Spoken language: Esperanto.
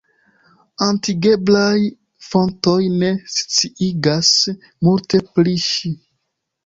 Atingeblaj fontoj ne sciigas multe pri ŝi.